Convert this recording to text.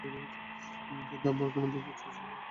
পূজা আরাধনার ব্যাপক চর্চা চললেও তারা আবার আস্তিক ছিল।